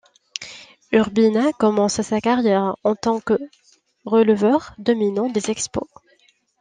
Urbina commence sa carrière en tant que releveur dominant des Expos.